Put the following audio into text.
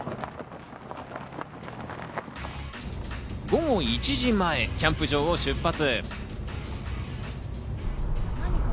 午後１時前、キャンプ場を出発。